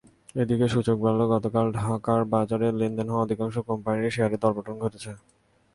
এদিকে, সূচক বাড়লেও গতকাল ঢাকার বাজারে লেনদেন হওয়া অধিকাংশ কোম্পানিরই শেয়ারের দরপতন ঘটেছে।